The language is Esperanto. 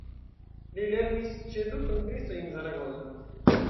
Li lernis ĉe du pentristoj en Zaragozo.